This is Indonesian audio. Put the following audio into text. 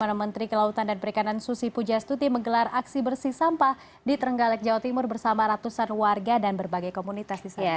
mana menteri kelautan dan perikanan susi pujastuti menggelar aksi bersih sampah di terenggalek jawa timur bersama ratusan warga dan berbagai komunitas di sana